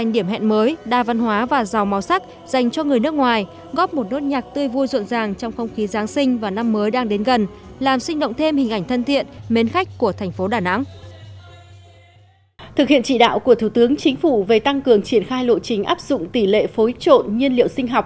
nhưng mà cũng ủng hộ và cũng thực hiện theo cái chỉ đạo của tổ tướng chính phủ và của chính phủ